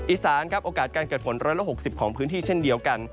อีสานครับโอกาสการเกิดฝน๑๖๐ของพื้นที่เช่นเดียวกัน